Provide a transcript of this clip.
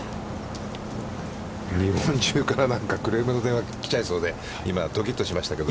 日本中から、クレームの電話が来ちゃいそうで今、どきっとしましたけど。